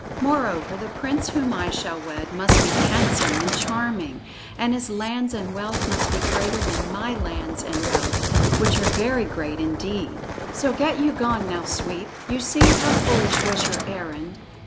Moreover, the prince whom I shall wed must be handsome and charming, and his lands and wealth must be greater than my lands and wealth, which are very great indeed. So get you gone, now, Sweep. You see how foolish was your errand."